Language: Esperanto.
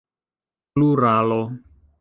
pluralo